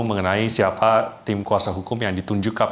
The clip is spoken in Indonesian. mengenai siapa tim kuasa hukum yang ditunjukkan